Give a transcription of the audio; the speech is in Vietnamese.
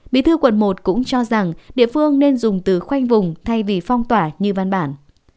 bí thư quận một cũng cho rằng địa phương nên dùng từ khoanh vùng thay vì phong tỏa như văn bản